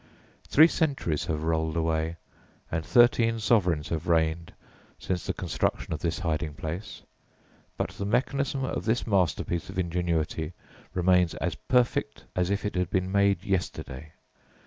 Three centuries have rolled away and thirteen sovereigns have reigned since the construction of this hiding place, but the mechanism of this masterpiece of ingenuity remains as perfect as if it had been made yesterday!